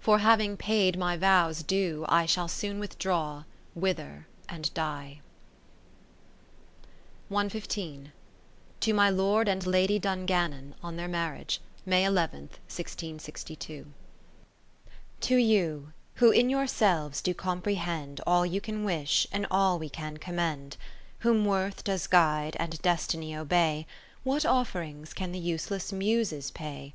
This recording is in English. For having paid my vows due, I Shall soon withdraw, wither and die. (598) ' Securely (?). To my Lord and Lady Dunga7ino7t To my Lord and Lady Dungannon, on their Marriage, May ii, 1662 To you, who, in yourselves, do comprehend All you can wish, and all we can commend ; Whom worth does guide, and destiny obey, What offerings can the useless Muses pay?